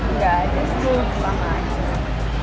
nggak ada sih